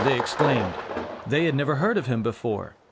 they exclaimed. They had never heard of him before.